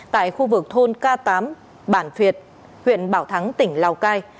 tại khu vực thôn k tám bản việt huyện bảo thắng tỉnh lào cai